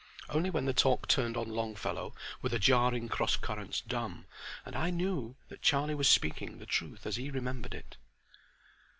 Only when the talk turned on Longfellow were the jarring cross currents dumb, and I knew that Charlie was speaking the truth as he remembered it.